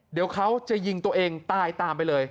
เดี๋ยวเขาจะยิงตัวเองตายตามไปเลย